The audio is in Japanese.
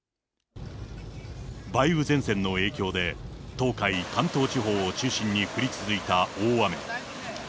梅雨前線の影響で、東海、関東地方を中心に降り続いた大雨。